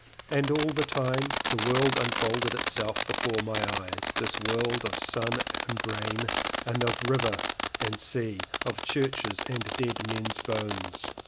And all the time the world unfolded itself before my eyes, this world of sun and rain, of sea and river, of churches and dead men's bones.